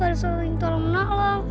harus selalu tolong tolong